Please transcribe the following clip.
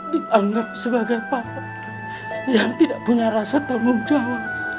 dianggap sebagai papa yang tidak punya rasa tanggung jawab